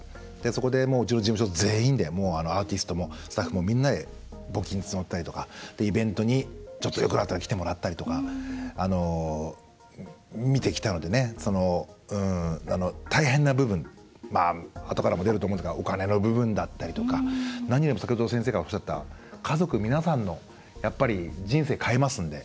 そこで、うちの事務所全員でアーティストもスタッフも募金を募ったりとかイベントに、よくなったら来てもらったりとか見てきたので、大変な部分あとからも出ると思うんですがお金の部分だったり何よりも先ほど、先生がおっしゃった家族皆さんの人生変えますので。